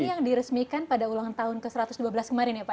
ini yang diresmikan pada ulang tahun ke satu ratus dua belas kemarin ya pak